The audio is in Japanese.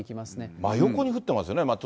真横に降っていますね。